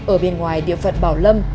ở bên ngoài địa phận bảo lâm